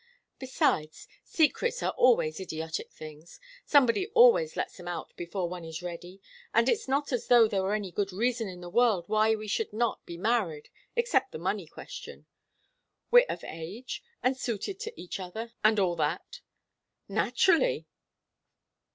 Besides, secrets are always idiotic things. Somebody always lets them out before one is ready. And it's not as though there were any good reason in the world why we should not be married, except the money question. We're of age and suited to each other and all that." "Naturally!"